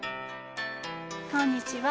こんにちは。